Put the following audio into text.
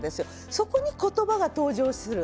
そこにことばが登場する。